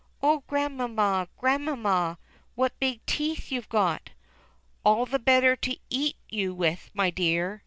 "Oh, Grandmamma, Grandmamma, what big teeth you've got !" "All the better to eat you with, my dear!"